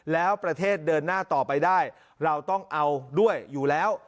แล้วประเทศเดินหน้าต่อไปได้เราต้องเอาด้วยอยู่แล้ว